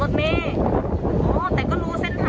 ขับรถเมฆแต่ก็รู้เส้นทางอยู่ถูกต้องไหม